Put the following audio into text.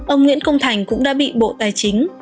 ông nguyễn công thành cũng đã bị bộ tài chính